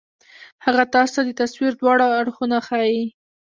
هغه تاسو ته د تصوير دواړه اړخونه ښائي